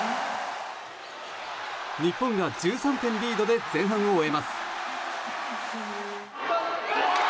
日本が１３点リードで前半を終えます。